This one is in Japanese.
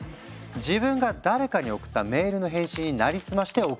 自分が誰かに送ったメールの返信になりすまして送ってくるの。